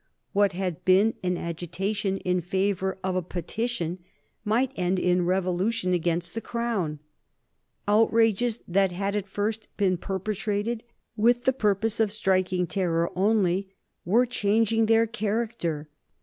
What had been an agitation in favor of a petition might end in revolution against the Crown. Outrages that had at first been perpetrated with the purpose of striking terror only were changing their character.